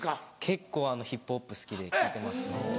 結構ヒップホップ好きで聴いてますね。